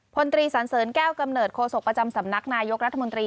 พลตรีสันเสริญแก้วกำเนิดโคศกประจำสำนักนายกรัฐมนตรี